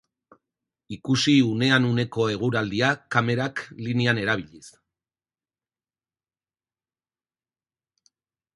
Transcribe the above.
Ikusi unean uneko eguraldia kamerak linean erabiliz.